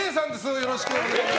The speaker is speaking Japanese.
よろしくお願いします。